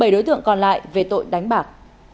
bảy đối tượng còn lại về tội đánh bạc